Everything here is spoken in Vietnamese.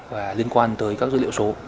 và liên quan tới các dữ liệu số